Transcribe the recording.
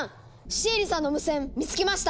シエリさんの無線見つけました！